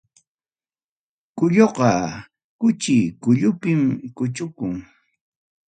Kulluqa kuchuy kullupim kuchukun.